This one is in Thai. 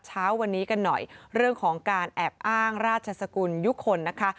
เช้าวันนี้กันหน่อยเรื่องของการแอบอ้างราชสกุลยุคลนะคะ